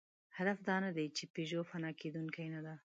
هدف دا نهدی، چې پيژو فنا کېدونکې نهده.